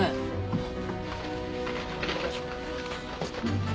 あっ！